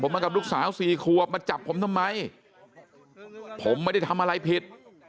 มากับลูกสาวสี่ขวบมาจับผมทำไมผมไม่ได้ทำอะไรผิด